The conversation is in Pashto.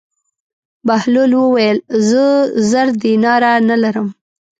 بهلول وویل: زه زر دیناره نه لرم.